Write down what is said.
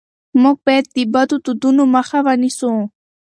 موږ باید د بدو دودونو مخه ونیسو.